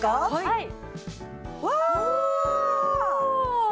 はい。